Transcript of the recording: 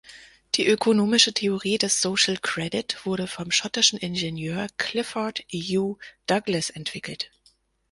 Die ökonomische Theorie des Social Credit wurde vom schottischen Ingenieur Clifford Hugh Douglas entwickelt.